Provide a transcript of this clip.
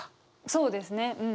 そうですね。